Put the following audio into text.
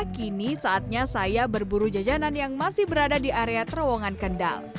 kini saatnya saya berburu jajanan yang masih berada di area terowongan kendal